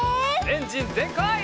エンジンぜんかい！